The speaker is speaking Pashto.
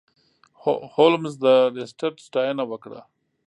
هولمز د لیسټرډ ستاینه وکړه.